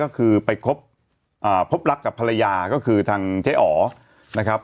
ก็คือไปพบรักกับภรรยาก็คือทางเจ๊อ๋อนะครับ